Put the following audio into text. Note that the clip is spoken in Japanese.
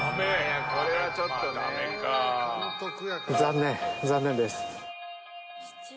残念残念です